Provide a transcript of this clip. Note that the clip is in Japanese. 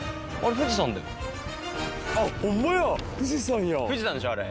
富士山でしょあれ。